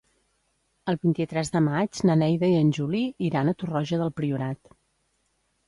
El vint-i-tres de maig na Neida i en Juli iran a Torroja del Priorat.